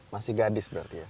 masih gadis berarti ya